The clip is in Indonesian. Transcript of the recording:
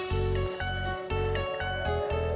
ngapain lu berhenti di situ